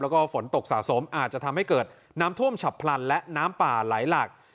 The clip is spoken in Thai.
แล้วก็ฝนตกสะสมอาจจะทำให้เกิดน้ำท่วมฉับพลันและน้ำป่าไหลหลาก